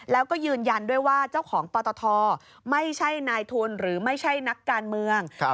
แล้วก็ยืนยันด้วยว่าเจ้าของปตทไม่ใช่นายทุนหรือไม่ใช่นักการเมือง